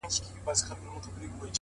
د خاموش کور فضا د ذهن خبرې لوړوي!